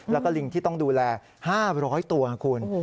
แล้วก็ลิงที่ต้องดูแล๕๐๐ตัวนะคุณ